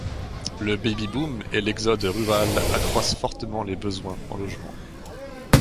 Le baby boom et l'exode rural accroissent fortement les besoins en logement.